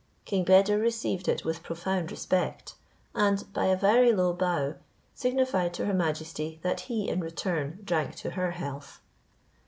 King Beder received it with profound respect, and by a very low bow signified to her majesty that he in return drank to her health.